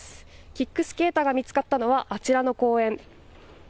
キックスケーターが見つかったのはあちらの公園。